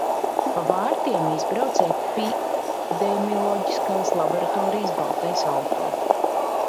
Pa vārtiem izbrauc epidemiloģiskās laboratorijas baltais auto.